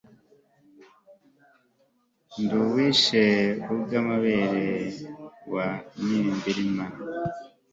ndi uwishe ubw'amabere wa nyirimbirima